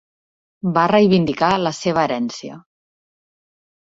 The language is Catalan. Va reivindicar la seva herència.